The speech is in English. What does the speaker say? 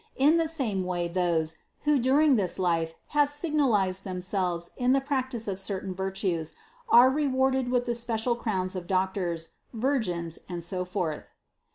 In the same way those, who during this life have signalized themselves in the practice of certain virtues are rewarded with the special crowns of doctors, virgins and so forth.